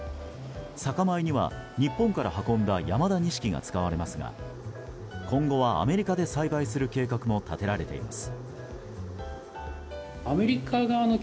酒米には日本から運ばれた山田錦が使われますが、今後はアメリカで栽培する計画も立てられています。